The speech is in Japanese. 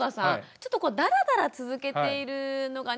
ちょっとダラダラ続けているのがね